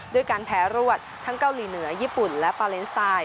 ด้วยการแพ้รวดทั้งเกาหลีเหนือญี่ปุ่นและปาเลนสไตล์